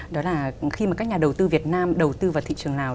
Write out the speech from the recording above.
đó là khi mà các nhà đầu tư việt nam đầu tư vào thị trường lào